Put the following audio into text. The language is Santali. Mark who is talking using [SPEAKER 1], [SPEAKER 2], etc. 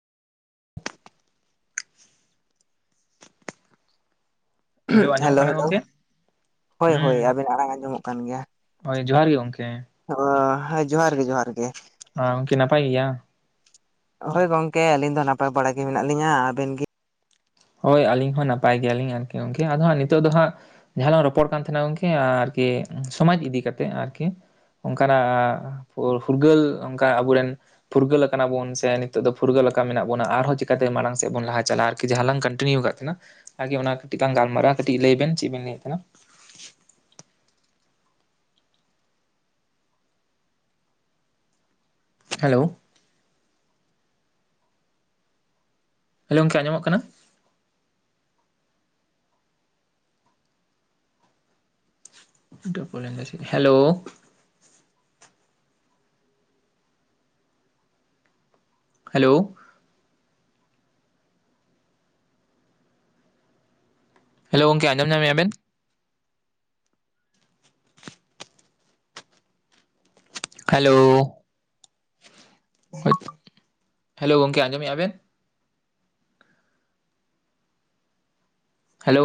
[SPEAKER 1] [inaudible] ᱦᱮᱞᱳ ᱟᱸᱡᱚᱢᱚᱜ ᱠᱟᱱᱟ ᱜᱚᱝᱠᱮ?
[SPEAKER 2] ᱦᱳᱭ ᱦᱳᱭ
[SPEAKER 1] ᱦᱩᱸ
[SPEAKER 2] ᱟᱹᱵᱤᱱ ᱟᱲᱟᱝ ᱟᱸᱡᱚᱢᱚᱜ ᱠᱟᱱ ᱜᱮᱭᱟ
[SPEAKER 1] ᱦᱳᱭ ᱡᱚᱦᱟᱨ ᱜᱮ
[SPEAKER 2] ᱾
[SPEAKER 1] ᱜᱚᱝᱠᱮ
[SPEAKER 2] [inaudible] ᱟᱫᱚ ᱦᱮᱸ ᱡᱚᱦᱟᱨ ᱜᱮ ᱾ ᱡᱚᱦᱟᱨ ᱜᱮ ᱾
[SPEAKER 1] ᱦᱳᱸ ᱜᱚᱢᱠᱮ ᱱᱟᱯᱟᱭ ᱜᱮᱭᱟ ᱾
[SPEAKER 2] ᱦᱳᱭ ᱜᱚᱝᱠᱮ ᱟᱹᱞᱤᱧ ᱫᱚ ᱱᱟᱯᱟᱭ ᱵᱟᱲᱟᱜ ᱜᱮ ᱢᱮᱱᱟᱜ ᱞᱤᱧᱟᱹ ᱾ ᱟᱹᱵᱤᱱ ᱜᱮ?
[SPEAKER 1] ᱦᱳᱭ ᱟᱹᱞᱤᱧ ᱦᱚᱸ ᱱᱟᱯᱟᱭ ᱜᱮᱭᱟᱞᱤᱧ ᱾ ᱟᱨᱠᱤ ᱜᱚᱝᱠᱮ ᱟᱫᱚ ᱦᱟᱸ ᱱᱤᱛᱚᱜ ᱫᱚ ᱦᱟᱸᱜ ᱡᱟᱦᱟᱸ ᱞᱟᱝ ᱨᱚᱯᱚᱲ ᱠᱟᱱ ᱛᱟᱦᱮᱸᱱᱟ ᱜᱚᱢᱠᱮ ᱟᱨᱠᱤ ᱥᱚᱢᱟᱡᱽ ᱤᱫᱤ ᱠᱟᱛᱮᱫ ᱟᱨᱠᱤ ᱾ ᱚᱱᱠᱟᱱᱟᱜ ᱯᱷᱩᱨ ᱯᱷᱩᱨᱜᱟᱹᱞ ᱚᱱᱠᱟ ᱟᱵᱚᱨᱤᱱ ᱯᱷᱩᱨᱜᱟᱹᱞ ᱠᱟᱱᱟ ᱵᱚᱱ ᱥᱮ ᱱᱤᱛᱚᱜ ᱫᱚ ᱯᱷᱩᱨᱜᱟᱹᱞ ᱟᱠᱟᱱᱟ ᱢᱮᱱᱟᱜ ᱵᱚᱱᱟ ᱾ ᱟᱨᱦᱚᱸ ᱪᱤᱠᱟᱛᱮ ᱢᱟᱲᱟᱝ ᱥᱮᱫ ᱵᱚᱱ ᱞᱟᱦᱟ ᱪᱟᱞᱟᱜ ᱾ ᱟᱨᱠᱤ ᱡᱟᱦᱟᱸ ᱞᱟᱝ ᱠᱚᱱᱴᱤᱱᱤᱭᱩ ᱟᱠᱟᱫ ᱛᱟᱦᱮᱱᱟ ᱟᱨᱮ ᱚᱱᱟ ᱠᱟᱹᱴᱤᱡ ᱞᱟᱝ ᱜᱟᱞᱢᱟᱨᱟᱜ ᱾ ᱠᱟᱹᱴᱤᱡ ᱞᱟᱹᱭ ᱵᱮᱱ ᱪᱮᱫ ᱵᱮᱱ ᱞᱟᱹᱭᱮᱫ ᱛᱟᱦᱮᱱᱟ? ᱦᱮᱞᱳ ᱦᱮᱞ ᱜᱚᱢᱠᱮ ᱟᱸᱡᱚᱢᱚᱜ ᱠᱟᱱᱟ? [inaudible] ᱦᱮᱞᱳ ᱦᱮᱞᱳᱣ ᱦᱮᱞᱳ ᱜᱚᱢᱠᱮ ᱟᱸᱡᱚᱢ ᱧᱟᱢ ᱟᱵᱮᱱ? ᱦᱮᱞᱳᱣ᱾ ᱦᱮᱞᱳ ᱜᱚᱢᱠᱮ ᱟᱸᱡᱚᱢᱮᱭᱟ ᱵᱤᱱ?